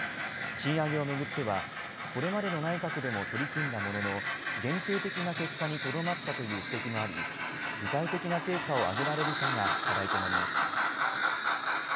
賃上げを巡っては、これまでの内閣でも取り組んだものの、限定的な結果にとどまったという指摘もあり、具体的な成果を上げられるかが課題となります。